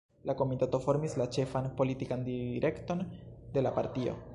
La Komitato formis la ĉefan politikan direkton de la partio.